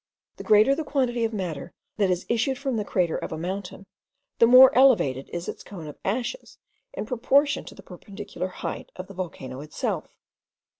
The greater the quantity of matter that has issued from the crater of a mountain, the more elevated is its cone of ashes in proportion to the perpendicular height of the volcano itself.